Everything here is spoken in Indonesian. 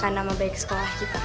bukan nama baik sekolah kita